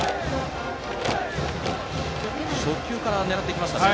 初球から狙っていきましたね。